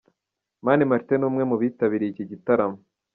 Mani Martin n'umwe mu bitabiriye iki gitaramo.